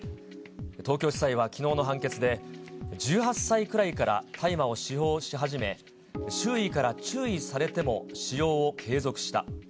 東京地裁はきのうの判決で、１８歳くらいから大麻を使用し始め、周囲から注意されても使用を継続した。